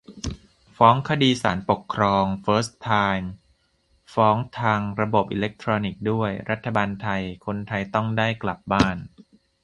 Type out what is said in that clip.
ฟ้องคดีกับศาลปกครอง เฟิร์สไทม์ ฟ้องทางระบบอิเล็กทรอนิกส์ด้วย - «รัฐบาลไทย : คนไทยต้องได้กลับบ้าน